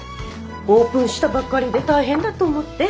オープンしたばっかりで大変だと思って。